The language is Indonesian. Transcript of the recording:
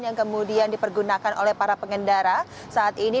yang kemudian dipergunakan oleh para pengendara saat ini